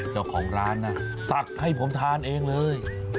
เจ้าของร้านนะตักให้ผมทานเองเลย